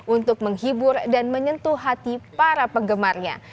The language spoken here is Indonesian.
untuk menghibur dan menyentuh hati para penggemarnya